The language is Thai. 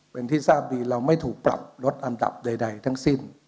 เป็นที่ทราบดีเราไม่ถูกปรับลดอันดับใดทั้งสิ้น